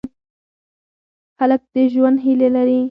هلک د ژوند هیلې لري.